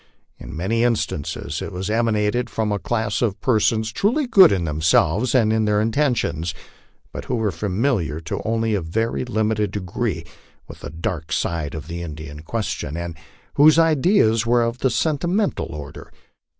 In many instances it emanated from a class of per sons truly good in themselves and in their intentions, but who were familiar to only a very limited degree with the dark side of the Indian question, and whose ideas were of the sentimental order.